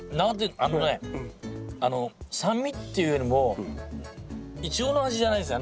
あのね酸味っていうよりもイチゴの味じゃないですね。